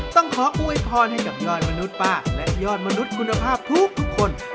ต้องขออวยพรให้กับยอดมนุษย์ป้าและยอดมนุษย์คุณภาพทุกคน